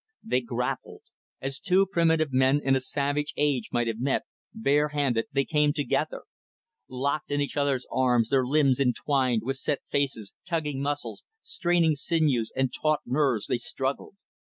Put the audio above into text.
They grappled. As two primitive men in a savage age might have met, bare handed, they came together. Locked in each other's arms, their limbs entwined, with set faces, tugging muscles, straining sinews, and taut nerves they struggled.